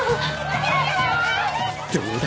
どうだ？